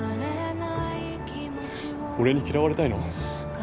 俺に嫌われたいの？